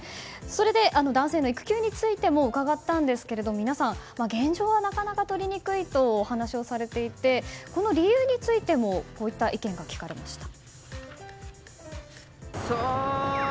それで男性の育休についても伺ったんですが皆さん、現状はなかなか取りにくいとお話をされていて理由についてもこういった意見が聞かれました。